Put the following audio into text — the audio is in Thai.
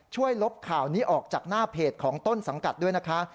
ลบข่าวนี้ออกจากหน้าเพจของต้นสังกัดด้วยนะคะ